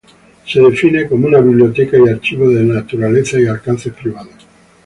Se define como una biblioteca y archivo de naturaleza y alcances privados.